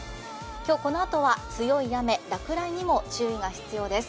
今日、このあとは強い雨、落雷にも注意が必要です。